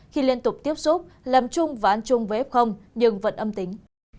khi liên tục tiếp xúc làm chung và ăn chung với f nhưng vẫn âm tính